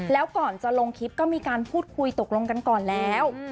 แล้วก่อนจะลงคลิปก็มีการพูดคุยตกลงกันก่อนแล้ว